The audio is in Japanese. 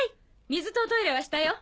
水とトイレは下よ。